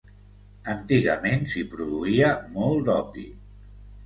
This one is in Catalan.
Antigament s'hi produïa molt d'opi.